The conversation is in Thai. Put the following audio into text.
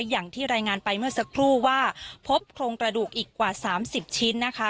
อย่างที่รายงานไปเมื่อสักครู่ว่าพบโครงกระดูกอีกกว่า๓๐ชิ้นนะคะ